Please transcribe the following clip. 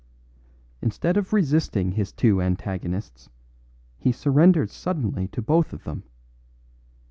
"Instead of resisting his two antagonists, he surrendered suddenly to both of them.